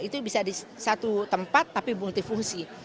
itu bisa di satu tempat tapi multifungsi